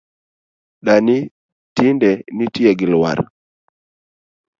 Dani tinde nitie gi lwar